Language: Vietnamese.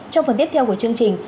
trong phần tiếp theo của chương trình